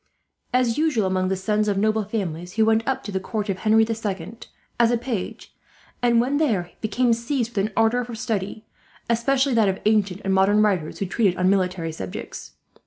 As usual among the sons of noble families, he went up to the court of Henry the Second as a page; and when there became seized with an ardour for study, especially that of ancient and modern writers who treated on military subjects.